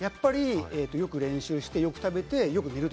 よく練習して、よく食べて、よく寝る。